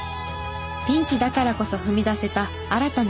ピンチだからこそ踏み出せた新たな一歩。